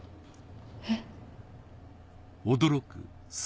えっ。